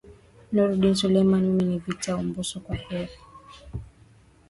nurdin selumani mimi ni victor abuso kwaheri